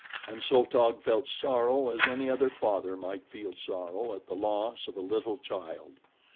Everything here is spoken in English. And so Taug felt sorrow as any other father might feel sorrow at the loss of a little child.